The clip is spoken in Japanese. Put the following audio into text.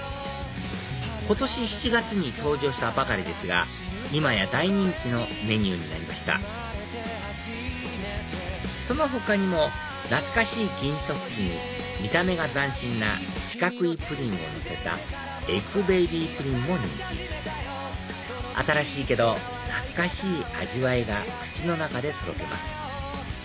今年７月に登場したばかりですが今や大人気のメニューになりましたその他にも懐かしい銀食器に見た目が斬新な四角いプリンをのせたエッグベイビープリンも人気新しいけど懐かしい味わいが口の中でとろけます